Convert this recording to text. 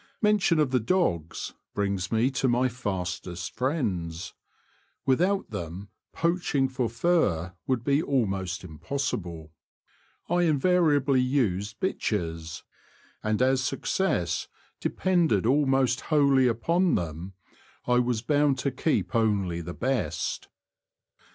Mention of the dogs brings me to my fastest friends Without them poaching for fur would be almost impossible. I invariably used bitches, and as success depended almost wholly upon them, I was bound to keep only the best.